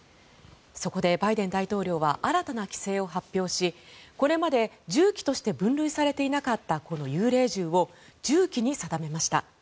そこでバイデン大統領は新たな規制を発表しこれまで銃器として分類されていなかった幽霊銃を銃器に定めました。